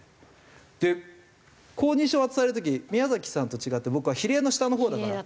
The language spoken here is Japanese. で公認証渡される時宮崎さんと違って僕は比例の下のほうだから。